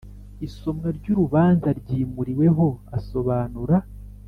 isomwa ry urubanza ryimuriweho asobanura